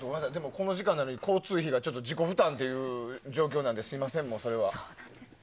この時間なのに交通費が自己負担という状況なのですみません、それは。